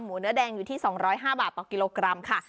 หมูเนื้อแดงอยู่ที่สองร้อยห้าบาทต่อกิโลกรัมค่ะ